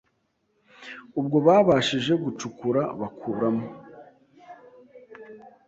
Ubwo babashije gucukura bakuramo